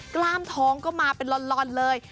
กล้ามท้องก็มาเป็นลอนเลย